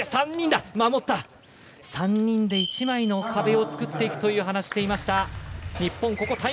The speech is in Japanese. ３人で１枚の壁を作っていくと話していました。